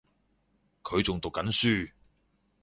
佢仲讀緊書